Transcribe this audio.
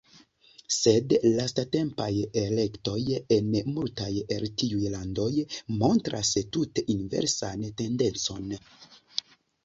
Sed lastatempaj elektoj en multaj el tiuj landoj montras tute inversan tendencon.